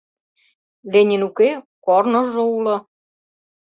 Ленин уке — корныжо уло